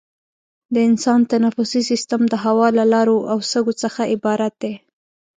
د انسان تنفسي سیستم د هوا له لارو او سږو څخه عبارت دی.